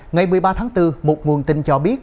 ngày một mươi ba tháng bốn một nguồn tin cho biết